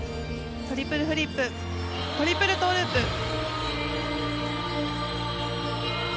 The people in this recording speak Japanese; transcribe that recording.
トリプルフリップ、トリプルトーループ。